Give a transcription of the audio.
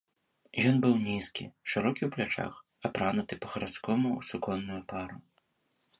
Ён быў нізкі, шырокі ў плячах, апрануты па-гарадскому ў суконную пару.